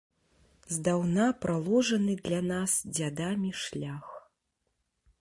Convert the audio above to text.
Здаўна праложаны для нас дзядамі шлях.